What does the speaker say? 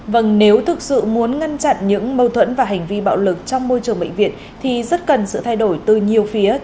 vâng nếu thực sự muốn ngăn chặn những mâu thuẫn và hành vi bạo lực trong môi trường bệnh viện thì rất cần sự thay đổi từ nhiều phía